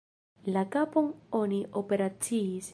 La kapon oni operaciis.